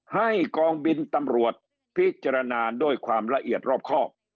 ให้กองบินตำรวจพิจารณาด้วยความละเอียดรอบครอบ